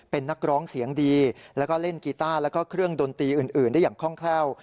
เป็นนักร้องเสียงดีแล้วก็เล่นกีต้าแล้วก็เครื่องดนตรีอื่นได้อย่างคล่องแคล่ว